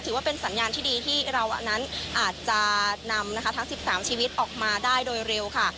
ถือว่าเป็นสัญญาณที่ดีที่เราอันนั้นอาจจะนำนะคะทั้ง๑๓ชีวิตออกมาได้โดยเร็วค่ะ